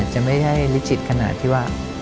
จะไม่ได้วิจิตขนาดที่ว่า